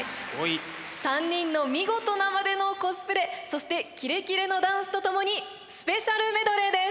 ３人の見事なまでのコスプレそしてキレキレのダンスとともにスペシャルメドレーです。